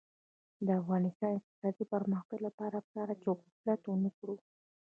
د افغانستان د اقتصادي پرمختګ لپاره پکار ده چې غفلت ونکړو.